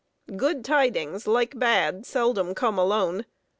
Good tidings, like bad, seldom come alone.